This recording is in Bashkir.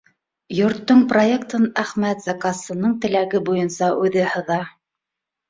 Йорттоң проектын Әхмәт заказсының теләге буйынса үҙе һыҙа.